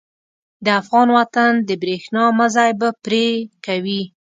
د افغان وطن د برېښنا مزی به پرې کوي.